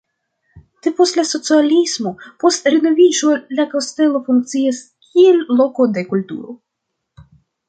Depost la socialismo post renoviĝo la kastelo funkcias kiel loko de kulturo.